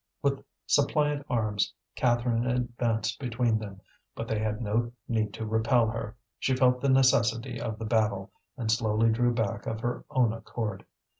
With suppliant arms Catherine advanced between them. But they had no need to repel her; she felt the necessity of the battle, and slowly drew back of her own accord.